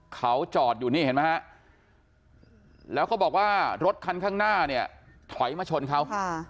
เขาจอดอยู่นี่เห็นไหมฮะแล้วเขาบอกว่ารถคันข้างหน้าเนี่ยถอยมาชนเขา